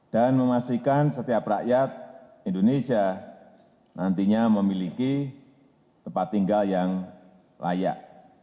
dan memastikan setiap rakyat indonesia nantinya memiliki tempat tinggal yang layak